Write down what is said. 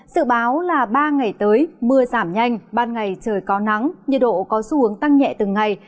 sự báo là ba ngày tới mưa giảm nhanh ban ngày trời có nắng nhiệt độ có xu hướng tăng nhẹ từng ngày